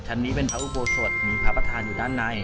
นี้เป็นพระอุโบสถมีพระประธานอยู่ด้านใน